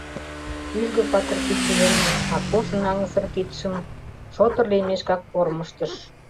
Кӱжгӧ патыр кидше дене Акошын аҥысыр кидшым шотыр лиймешкак кормыжтыш